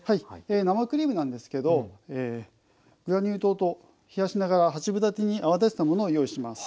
生クリームなんですけどグラニュー糖と冷やしながら八分立てに泡立てたものを用意します。